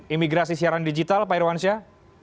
imigrasi siaran digital pak irwansyah